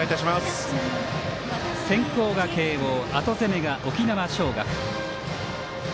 先攻が慶応、後攻めが沖縄尚学。